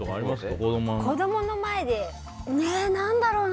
子供の前で何だろうな。